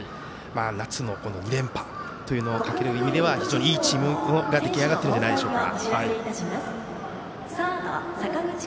夏の２連覇というのをかけるという意味ではいいチームが出来上がっているんじゃないでしょうか。